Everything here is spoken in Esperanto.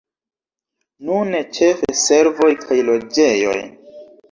Nune ĉefe servoj kaj loĝejoj.